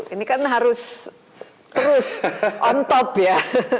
ini kan harus terus on top ya